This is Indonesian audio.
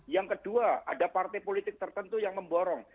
yang kedua ada partai politik tertentu yang memborong